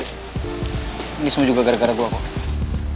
ini semua juga gara gara gue apa